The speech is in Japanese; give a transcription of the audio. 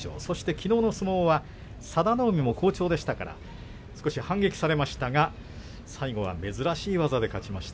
きのうの相撲、佐田の海戦も好調でしたから少し反撃されましたが最後は珍しい技で勝ちました。